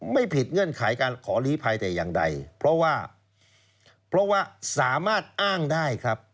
ไม่ผิดเงื่อนไขการขอลีภัยแต่อย่างใดเพราะว่าเพราะว่าสามารถอ้างได้ครับ